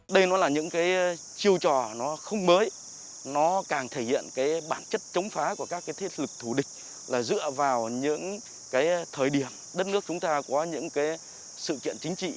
đây là những chiêu trò không mới nó càng thể hiện bản chất chống phá của các thiết lực thủ địch dựa vào những thời điểm đất nước chúng ta có những sự kiện chính trị